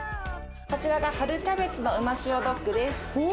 こちらが春キャベツのうま塩ドッグです。